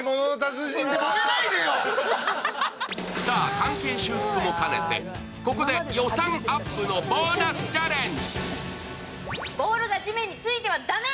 関係修復も兼ねてここで予算アップのボーナスチャレンジ。